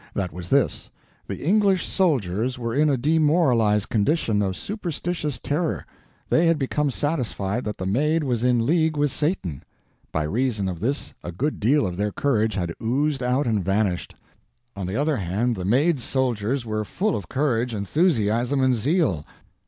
That was this: the English soldiers were in a demoralized condition of superstitious terror; they had become satisfied that the Maid was in league with Satan. By reason of this a good deal of their courage had oozed out and vanished. On the other hand, the Maid's soldiers were full of courage, enthusiasm, and zeal.